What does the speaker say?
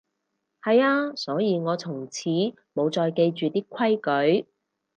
係啊，所以我從此無再記住啲規矩